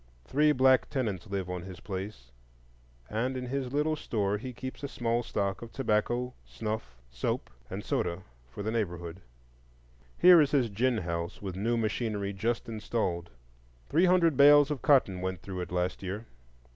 Three black tenants live on his place, and in his little store he keeps a small stock of tobacco, snuff, soap, and soda, for the neighborhood. Here is his gin house with new machinery just installed. Three hundred bales of cotton went through it last year.